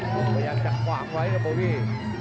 พยายามจะขวางไว้ครับโบวี่